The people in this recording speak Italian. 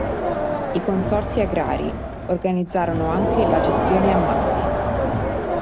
I Consorzi agrari organizzarono anche la gestione ammassi.